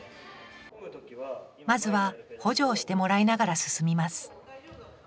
まずは補助をしてもらいながら進みます